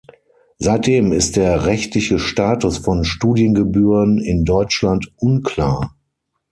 Seitdem ist der rechtliche Status von "Studiengebühren in Deutschland" unklar.